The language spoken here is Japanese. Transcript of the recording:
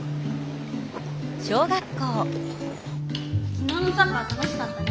きのうのサッカー楽しかったね。